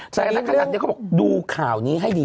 ใส่อันดับสองนี้เขาบอกดูข่าวนี้ให้ดี